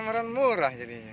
beras kita murah jadinya